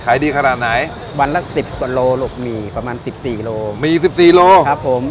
ขายดีขนาดไหนวันละสิบลูกหลักหน่อย